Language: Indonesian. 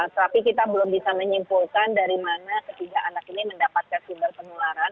tapi kita belum bisa menyimpulkan dari mana ketiga anak ini mendapatkan sumber penularan